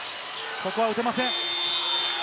ここは打てません。